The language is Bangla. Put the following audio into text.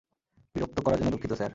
বিরক্ত করার জন্য দুঃখিত, স্যার।